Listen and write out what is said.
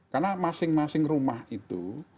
karena masing masing rumah itu